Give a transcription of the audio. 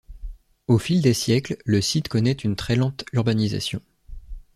Au fil des siècles, le site connait une très lente urbanisation.